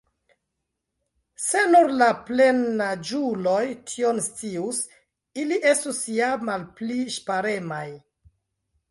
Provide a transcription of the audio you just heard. Se nur la plenaĝuloj tion_ scius, ili estus ja malpli ŝparemaj.